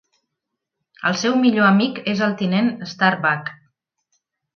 El seu millor amic és el tinent Starbuck.